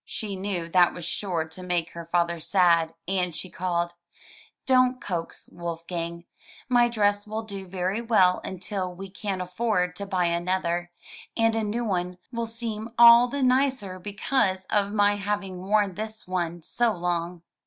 She knew that was sure to make her father sad, and she called, "Don't coax, Wolfgang. My dress will do very well until we can afford to buy another, and a new one will seem all the nicer because of my having worn this one so long."